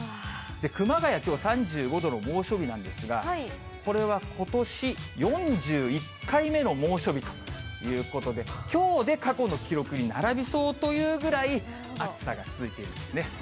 熊谷、きょう３５度の猛暑日なんですが、これはことし４１回目の猛暑日ということで、きょうで過去の記録に並びそうというぐらい、暑さが続いているんですね。